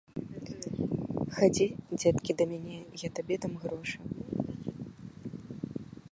Хадзі, дзеткі, да мяне, я табе дам грошы.